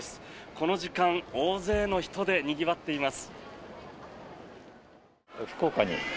この時間、大勢の人でにぎわっています。